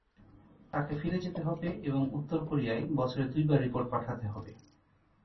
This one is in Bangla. তাকে ফিরে যেতে হবে এবং উত্তর কোরিয়ায় বছরে দুইবার রিপোর্ট পাঠাতে হবে।